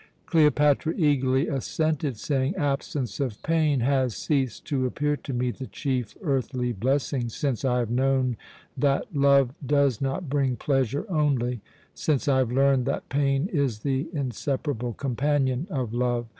Cleopatra eagerly assented, saying: "Absence of pain has ceased to appear to me the chief earthly blessing, since I have known that love does not bring pleasure only, since I have learned that pain is the inseparable companion of love.